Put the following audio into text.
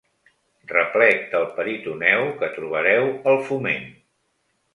Replec del peritoneu que trobareu al Foment.